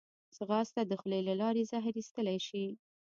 ځغاسته د خولې له لارې زهر ایستلی شي